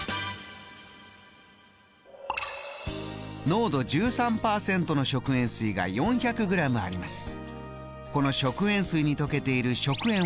濃度１３％の食塩水が４００ｇあります。